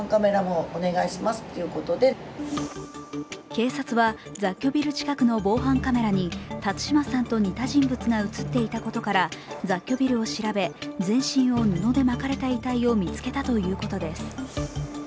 警察は、雑居ビル近くの防犯カメラに辰島さんと似た人物が映っていたことから雑居ビルを調べ全身を布でまかれた遺体を見つけたということです。